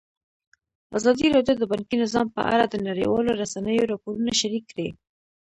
ازادي راډیو د بانکي نظام په اړه د نړیوالو رسنیو راپورونه شریک کړي.